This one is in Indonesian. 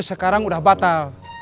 sekarang udah batal